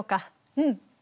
うん。